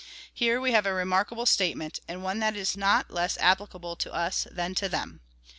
Here we have a remarkable statement, and one that is not less applicable to us than to them.